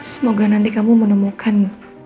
semoga nanti kamu menemukan